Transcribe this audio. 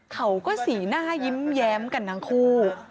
เขาก็สีหน้ายิ้มแย้มกับนางครู